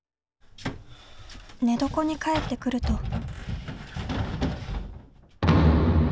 寝床に帰ってくると。